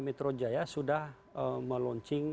metro jaya sudah meluncing